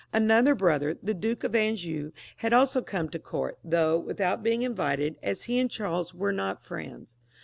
Another brother, the Duke of Anjou, had also come to court, though with out being invited, as he and Charles were not friends.